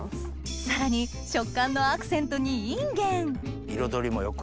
さらに食感のアクセントにインゲン彩りも良く。